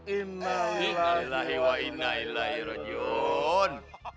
innaillahi wa innaillahi rujun